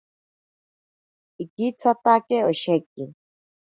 Ikitsatake osheki.